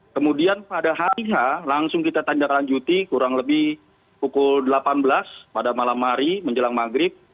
kemudian pada hari h langsung kita tanjalanjuti kurang lebih pukul delapan belas pada malam hari menjelang maghrib